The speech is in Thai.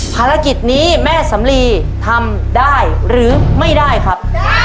ภารกิจนี้แม่สำลีทำได้หรือไม่ได้ครับ